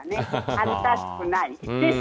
恥ずかしくない。